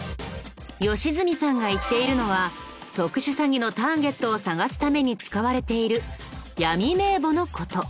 良純さんが言っているのは特殊詐欺のターゲットを探すために使われている闇名簿の事。